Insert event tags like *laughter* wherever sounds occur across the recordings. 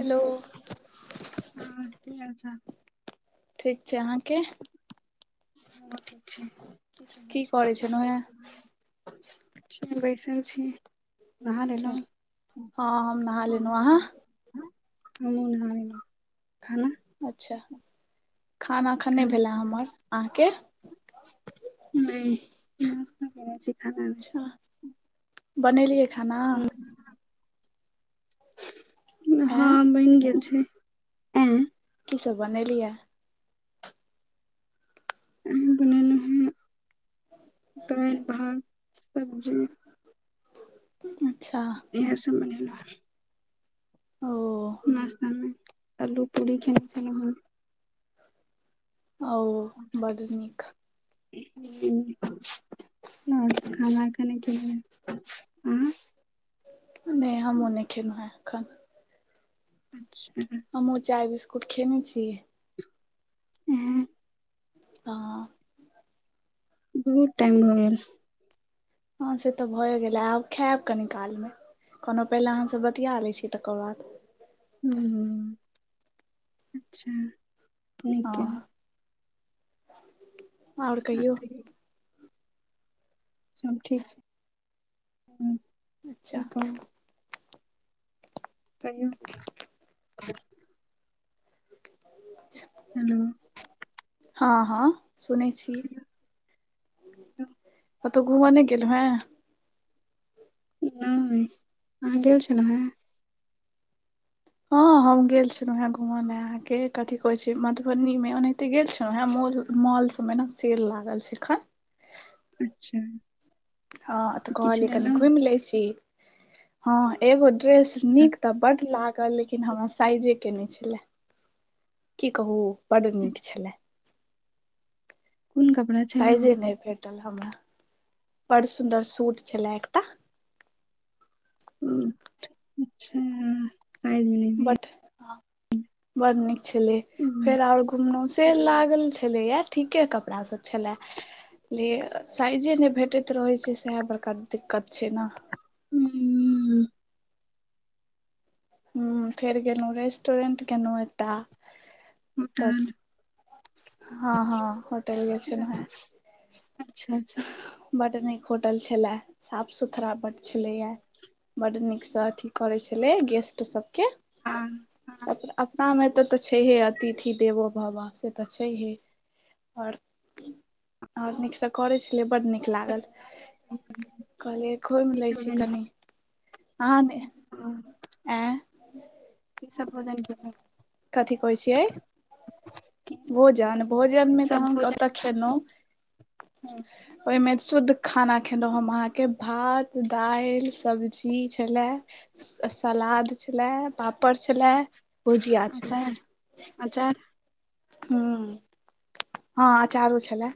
Hello और की हाल चाल। ठीक छै अहाँके। हमरो ठीक छैय, *unintelligible* की सब होय करै छलहुँ हेँ छैय। बैसल छी। नहा अच्छा लेलहुँ। हँ हम नहा लेलहुँ अहाँ हमु *unintelligible* खाना अच्छा खाना एखन नहि भेलै हमर, अहाँके। नहि नास्ता केनेै छी, खाना नहि। अच्छा बनेलियै खाना। नै आँय हँ बनि गेल छैय, एँ। की सब बनेलियै। अ बनेलहु हें दालि भात सब्जी। अच्छा। इएह सब मनेलहु। ओ नास्तामे आलू पूरी खेने छलौं हें। ओ। बड नीक *unintelligible* खनाय कने खेबय आ नहि हमहुँ नहि खेलहुँ हेँ अखन। अच्छा। हमु चाय बिस्कुट खेने छी। हँ। ह। बहुत टाइम भऽ गेल। हँ से तऽ भए गेलै आब खायब कनी कालमे। कोनो पहिले अहाँसँ बतिया लै छी तकर बाद। हूँ अच्छा नीक केलउ। हँ आओर हाँ, कहियौ। ठीक। सब ठीक छैय। अच्छा। कहियौ। अच्छा। हेलो। हँ-हँ सुनै छी। कतहु घूमऽ नहि गेलहु हें। नैय अहाँ गेल छलौव हाॅं। हऽ हम गेल छलों। हें घूम ला अहाॅं के कथि कहैय छैं। मधुबनी में ओनाहिते गेल छलोव हाॅं मोल। मॉल सब मे ने सेल लागल छैय एखन। अच्छा। हँ तऽ किछु कहलियै। कनि लेलहुँ घुमि लैं छी। हँ एगो ड्रेस नीक तऽ बड लागल। लेकिन हमरा साइजे के नेय छला। की कहु बड ठीक। नीक छला। *unintelligible* ओ साइजे नहि भेटल हमरा बड़ सुन्दर सूट छला एकटा। *unintelligible* साइज नैया। बड बड़ नीक छलैं। फेर आओर घुमलहुँ। से लागल छलैया। ठीके कपड़ासभ छला। ले साइजे नहि भेटैत रहैत छैं। साहा बड़का दिक्कत छैं ना। हूं। हु फेर गेलहुँ। रेस्टोरेंट गेलहुँ एकटा। तऽ मटन हाॅं हाॅं होटल गेल छैलौव हां। अच्छा अच्छा। बड नीक होटल छला साफ सुथड़ा बड़ छलैया। बड नीकसऽ अथी करै छलैं गेस्ट सबके हँ हँ अपनामे तऽ। तऽ छैहे अतिथि देवो भब से तऽ छैहे और। *unintelligible* और नीकसँ करै छलियै। बड़ नीक लागल कहलियै। घुमी की लैय सब छी भोजन हँ कनि। आ ने। *unintelligible* आऍं। कि सब भोजन केलौव। कथी कहैय छियैं। की भोजन भोजन में तऽ सब हम ओतय खेलौव। *unintelligible* ओहिमे शुद्ध खाना खेलहुँ। हम अहाँके भात दाल सब्जी छला। सलाद छला पापड़ छला। अचार अचार। हु हाॅं अचारो छला।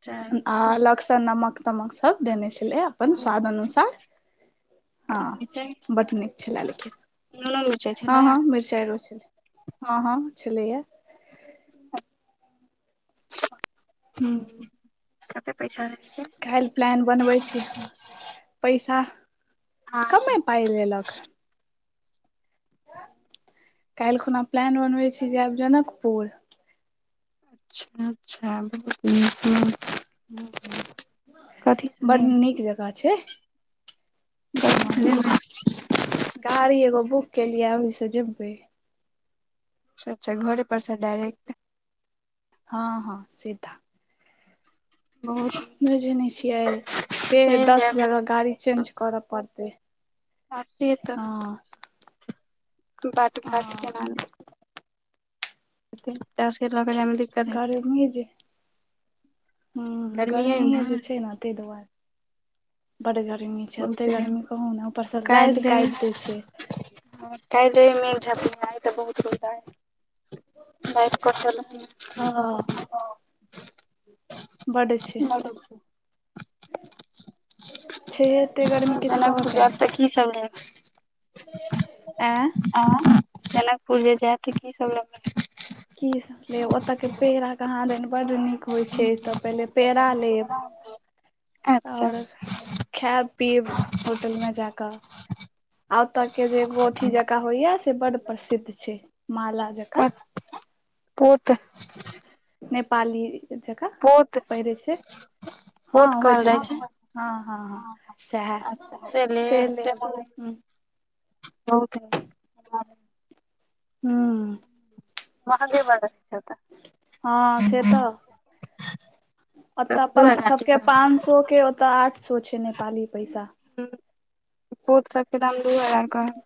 अचार आ अलग से नमक तमक सब देने छलैं। हम्म, स्वाद अनुसार नून हँ मिरचाइ बड नीक छला। लेकिन। *unintelligible* नूनो मिरचाइ हाॅं छलै हाॅं मिरचाइयों छलै। हाॅं हाॅं छलैया। हू। कते पैसा लेलखिन? काल प्लान बनबैय छी। हम पैसा हाॅं। कमे पाइ लेलक। काल्हि खुना प्लान बनबैय छी। जाब जनकपुर। *unintelligible* ह कथी ह से बड़ जायब नीक जकह छै। घुमऽ लेल कथी गाड़ी एगो बुक केलियै। ओहिसँ जेबै अच्छा अच्छा घरे परस डायरेक्ट हँ हँ सीधा बहुत बुझै नहि छियै के चलि दस जायब जगह गाड़ी चेंज करऽ पड़तै। पटी ए त हँ बट घाट के हँ नाम चासके लगै जे *unintelligible* गरमी जे हुँ गर्मी अइ गर्मीे जे उम्हर छै ने ताहि दुआरे बड गर्मी जतेक बहुते गर्मी गरमी कहू ने ऊपरसँ लादि काटि दै छै। आ काल्हि रह मे झपइ तऽ बहुत कदा हइ *unintelligible* लट कट *unintelligible* बढ़ै छै। *unintelligible* छै एतेक गर्मी किछ कहय जनकपुर के जायब तऽ की सब लेब नहि आँ आ जनकपुर जे जा सब ल *unintelligible* की सभ लेब ओतऽके पेड़ा कहाँ दनि बड्ड नीक होइ छै तऽ पहिले पेड़ा लेब अच्छा अच्छा आओर खायब पीब होटल मे जाकऽ आ ओतऽ के जे गोठी जकाँ होइया से बड प्रसिद्ध छै माला जकाँ प पूत *unintelligible* नेपाली जकाँ पहिरे छै। हँ बहुत कहल होइत जाइ हेतै छै हँ हँ हँ सएह अचछा चल से त लेब *unintelligible* ह बहुत निक बात हँ- हँ महगे बड़ चत *unintelligible* हँ से तऽ ओतऽ दू अपन हजार के सबके कहत पांच सौ के ओतऽ आठ सौ छै नेपाली पैसा ह पोत सबके दाम दू हजार कह है *unintelligible*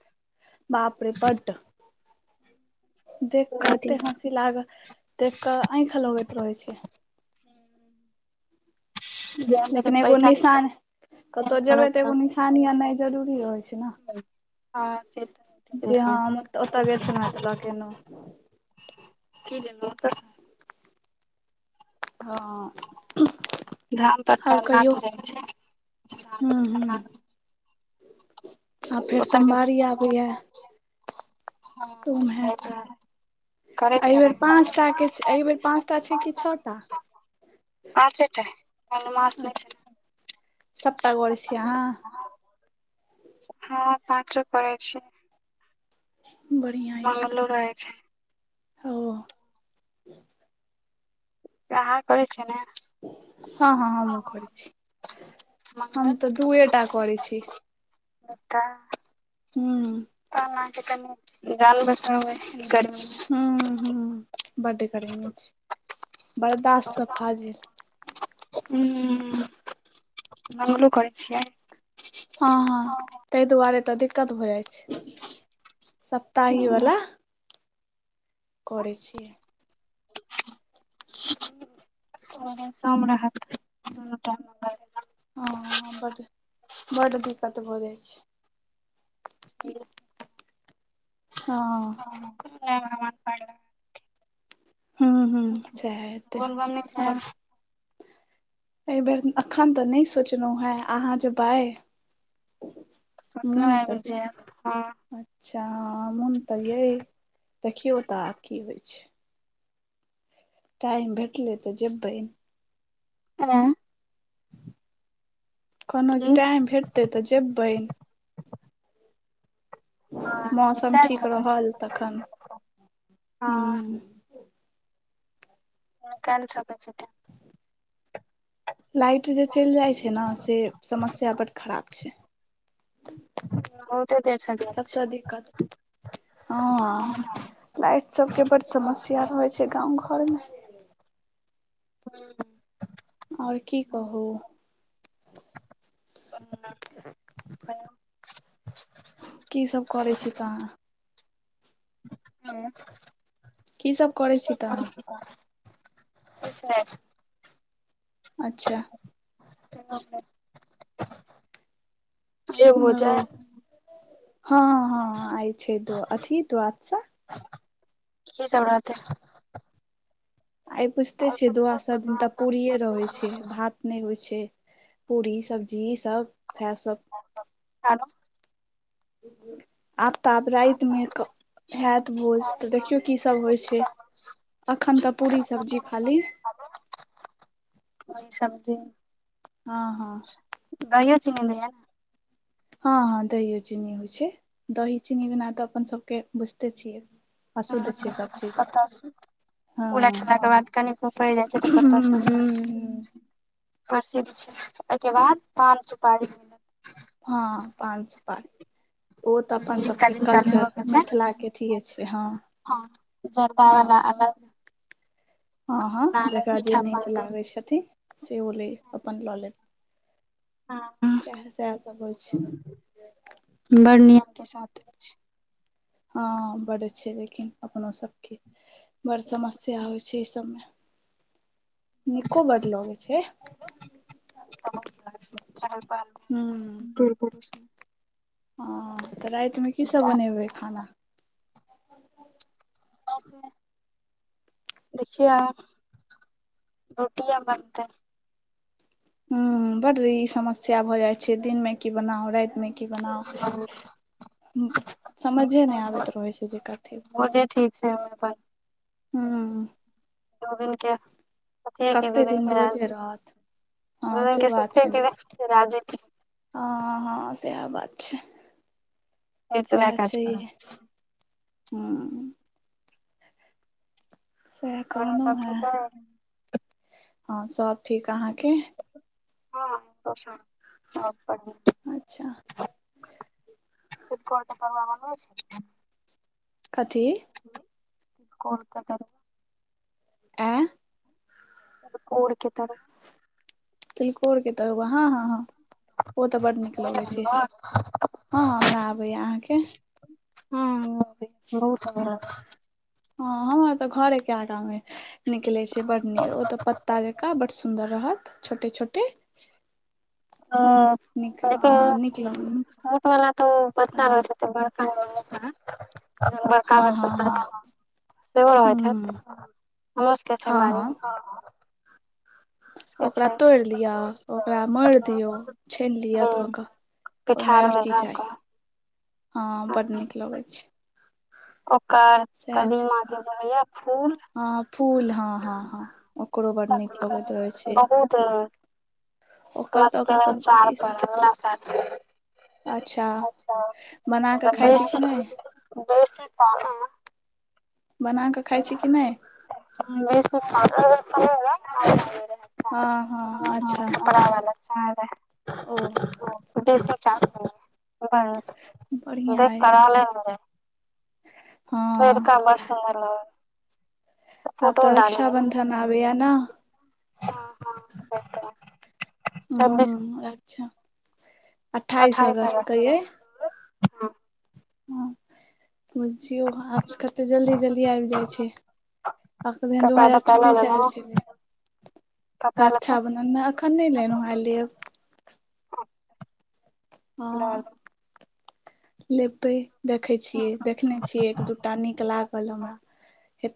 बाप रे बड देख क एते पर हस कहत *unintelligible* लाग देख के आंखि लगैत रहै छै। लेकिन एगो पैसा निसान कतहु जेबै तऽ एगो निशानी आनाइ जरूरी रहइ छै ने हँ से तऽ जी धाम पर हँ ओतय गेल छलहु त ल केे एलहु की जल त *unintelligible* हँ धाम पर *unintelligible* का आओर कहियौ नामी रहै छै धाम पर ह्म का ह नामी आ फेर सोमवारी आबैए हँ तऽ ओहिमे त हैत *unintelligible* करै एहि छै ने बेेर *unintelligible* पाँचे पाँचटा के एहि बेेर पाँचटा छै कि छओटा टा हई मने *unintelligible* सपता गरै छियै अहाँ हँ पाँचो करै छी। बढ़िआँ अइ बंगलोर रहै छै। *unintelligible* ओ *unintelligible* करै छीयै ने हं- हं हमहु करय छी, हम त दूये टा करै छी। कक्का हूँ *unintelligible* कनि। जान बचाउ अय गरमी में। हुं -हुं बड्ड गर्मी छय, बर्दाश्त स फाजिल। उहं मंगलो करय छिय। हं- हं तहि दुआरे त दिक्कत भ जाइ छय सप्ताहि बला। करै छियै। सोम दिन सोम रहत दुनू टाइम मंगल। हं ह बड बड दिक्कत भ जाइ छय। *unintelligible* हं अ। नय हमरा मन। *inaudible* हूं-हूं सैह हेतै बोलबम नहि और। जायब एहि बेर अखन त नहि सोचलहु हैं, अहां जेबय। ओतनो मन आबि त हय। जायब हँ अच्छा मोन अय, देखियौ त आब की होइ छै। टाइम भेटलै त जेबै। *unintelligible* कनहों की जे टाइम भेटतै त जेबै। हँ मौसम निकालि ठीक सकै छी रहल तखन हँ हूं। *inaudible* लाइट जे चइल जाइ छै न, से समस्या बड खराब छै। बहुते देर से गेल छी सबस दिक्कत हँ। लाइट सबके बड समस्या रहै छै गाँंव घर में। हूं। और की कहू। *inaudible* की सब करै छी त अहां। *inaudible* की सब करै छी त अहां। हं। अच्छा *inaudible* एब हो ओ जाय हं-हं आइ छै दो अथी द्वादशा। की सब रहतै। आइ बुझतै छियै द्वादशा दिन त पूरीये रहै छै भात। नहि होइ छै, पूड़ी सब्जी ई सब से सब। हेलो *inaudible* आब त आब राइत में क हैत भोज, त देखियौ की सब होइ छै। अखन त पूरी सब्जी खाली। हालो ओहि सब्जी। हं-हं। दहियो चीनी नै ऐल। हँ-हँ दहियो चीन्नी होइ छै दही चीन्नी बिना तऽ अपन सबके बुझते छियै। अशुद्ध छै सब चीज। पत्ता शु हँ पूरा खेलाक के बाद कनीकबो पइड़ जाइ छै तऽ पत्ता हूँ शुद्ध हूँ भऽ जाइ छै। हूँ प्रसिद्ध छै अय के बाद पान-सुपारी। हँ पान-सुपारी। ओ तऽ अपन जिनका सबके जिनका कल्चर लेबऽ के छै मिथला के अथिए छै हँ। हँ जर्दा हँ वला हँ हँ अलग जकरा जे मीठा नीक पान देत लागैत छथिन से ओ ले अपन लऽ लेब। ह सएह सब होइ छै बढ़ निक के साथ हँ बड छै लेकिन अपनो सबके। बड़ समस्या होइ छै ई सबमे। निको बड लगे छै। हूँ *unintelligible* हँ तऽ रातिमे की सब बनेबै खाना? देखियो आब रोटिये बनतेै। ह बड ई समस्या भऽ जाइ छै दिन में की बनाउ राति मे क बनाउ समझे नहि आबैत रहै छै जे कथी *unintelligible* ठीक। छै हँ *unintelligible* सुख क दू कते दिन के भोजे राजी रहत दू हँ दिन से के बात सुख छै ने कि द राजी क हँ हँ सएह बात छै फेर तऽ वएह सएह काज करब छैह। हँ। सएह घर मे सब कहनोहु हैं, ठीक अय हँ सब ठीक अहाँके? *unintelligible* अच्छा! *unintelligible* कथी? *unintelligible* आ *unintelligible* तिलकोर के तरुआ हँ हॅ ह ओ तऽ बड नीक लगै छै। तरुआ हँ हमरा आबैया, अहाँके? *unintelligible* हँ हमें तऽ घरे के आटा में निकले छै बड नीक ओतऽ पत्ता जका बड सुन्दर रहत छोटे छोटे ह नीक लेकिन हँ नीक लगै छै। फूट वला तो पत्ता रह हँ *unintelligible* बड़का हँ भेल हँ *unintelligible* हँ सेहो होैत हत। हूँ हमरो सब के छै हँ बारी हँ में ओकरा तोड़ि लिअ ओकरा मोर दियौ छान लिअ धऽ हूँ कऽ। ओहिमे पिठार आओर मे की धऽ चाही कऽ हँ बड नीक लगैत छै। ओकर सएह छै कदीमा के जे होइया फूल हँ फूल, हँ-हँ-हँ ओकरो बड़ नीक लगैत तकर रहै छै। ओकर तऽ ओकर प्लसतर चार तऽ पड़ अगला साल अच्छा, बना कऽ त खाइ छी कि बेसी- नहि बेसी, बेसी काल, आंऽ? बना कऽ खाइ छी कि नैय? उम्म, बेसी काल *unintelligible* *inaudible* हँ हँ अच्छा हॅं-हॅं-हॅं, *unintelligible* रहल अछि। ओ ह्म्म, बेसी काल *unintelligible* बढ़िआँ देख अइ करा ले न गैइ, हँ *unintelligible* बड़ सुन्दर लागल। आब तऽ रक्षााबन्धन आबैय न? हॅं-हँ, *unintelligible* सब दिस अच्छा, अठाइस अगस्त क यैइ। हँ, बुझियौ आब कते जल्दी जल्दी आईब जाइ छै। अखने दू कपड़ा हजार लत्ता लऽ छ्बीस ऐल लेलौं छलई। कपड़ा लत्ता तरक्षाबन्धन नै अखन नैय लेलौं हैं, आइ लेब। हं। हँ, लेबै। देखै छियै, देखने छियै एक दूटा नीक लागल हमरा।